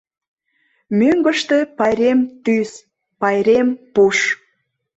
Мӧҥгыштӧ пайрем тӱс, пайрем пуш.